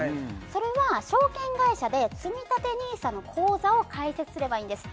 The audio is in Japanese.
それは証券会社でつみたてＮＩＳＡの口座を開設すればいいんです